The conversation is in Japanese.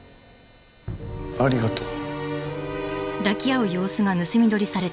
ありがとう。